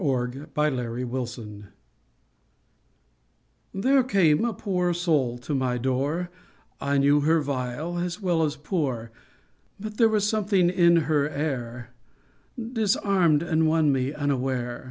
THE OUTCAST There came a poor soul to my door ; I knew her vile as well as poor ; But there was something in her air Disarmed and won me, unaware.